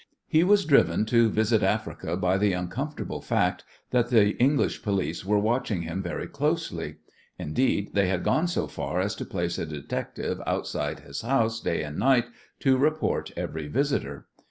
He was driven to visit Africa by the uncomfortable fact that the English police were watching him very closely; indeed, they had gone so far as to place a detective outside his house day and night to report every visitor.